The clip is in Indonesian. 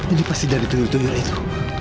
ini pasti dari tuyul tuyul itu